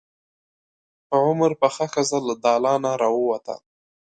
په عمر پخه ښځه له دالانه راووته.